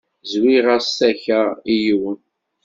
Zwiɣ-as takka i yiwen.